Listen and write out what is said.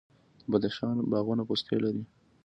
د بدخشان باغونه پستې لري.